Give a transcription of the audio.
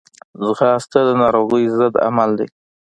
ځغاسته د ناروغیو ضد عمل دی